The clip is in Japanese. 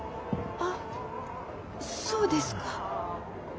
あそうですか。